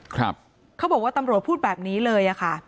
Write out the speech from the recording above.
เขาบอกว่าและตำรวจพูดแบบนี้เลย